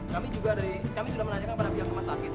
kami juga dari kami sudah menanyakan pada pihak rumah sakit